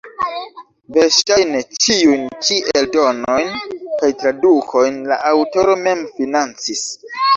Verŝajne ĉiujn ĉi eldonojn kaj tradukojn la aŭtoro mem financis.